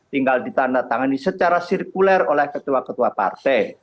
tinggal ditanda tangani secara sirkuler oleh ketua ketua partai